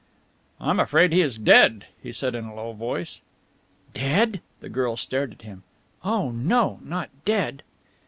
"I am afraid he is dead," he said in a low voice. "Dead!" the girl stared at him. "Oh no! Not dead!"